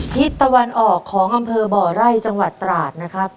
ทิศตะวันออกของอำเภอบ่อไร่จังหวัดตราดนะครับ